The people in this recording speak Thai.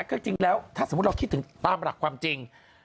ก็จริงแล้วถ้าสมมุติเราคิดถึงตามหลักความจริง